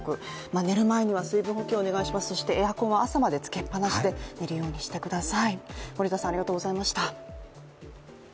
寝る前には水分補給をお願いします、そしてエアコンは朝までつけっぱなしでいるようにお願いします。